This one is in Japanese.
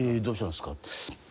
どうしたんすか？